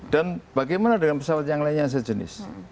dan bagaimana dengan pesawat yang lainnya sejenis